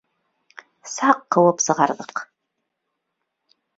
Саҡ ҡыуып сығарҙыҡ.